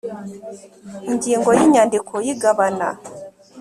Ingingo ya inyandiko y igabana